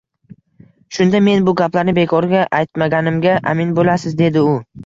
Shunda men bu gaplarni bekorga aytmaganimga amin boʻlasiz, dedi u